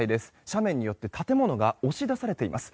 斜面によって建物が押し出されています。